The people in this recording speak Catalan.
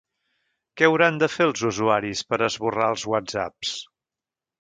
Què hauran de fer els usuaris per esborrar els whatsapps?